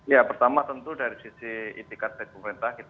ya pertama tentu dari sisi intikan dari pemerintah kita